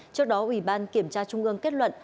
trước đó ủy ban kiểm tra trung ương kết luận